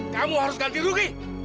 kamu harus ganti rugi